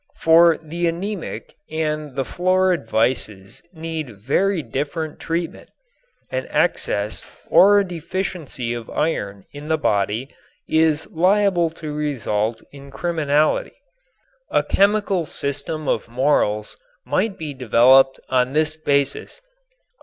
For the anemic and the florid vices need very different treatment. An excess or a deficiency of iron in the body is liable to result in criminality. A chemical system of morals might be developed on this basis.